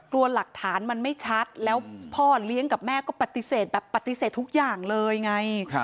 กลัวหลักฐานมันไม่ชัดแล้วพ่อเลี้ยงกับแม่ก็ปฏิเสธแบบปฏิเสธทุกอย่างเลยไง